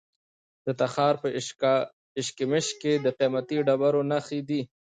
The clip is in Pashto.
د تخار په اشکمش کې د قیمتي ډبرو نښې دي.